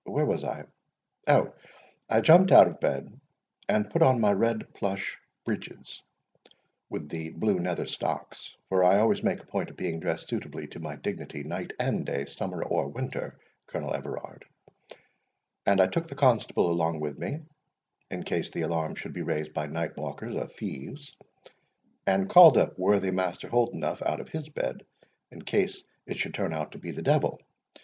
Where was I?—Oh, I jumped out of bed, and put on my red plush breeches, with the blue nether stocks, for I always make a point of being dressed suitably to my dignity, night and day, summer or winter, Colonel Everard; and I took the Constable along with me, in case the alarm should be raised by night walkers or thieves, and called up worthy Master Holdenough out of his bed, in case it should turn out to be the devil.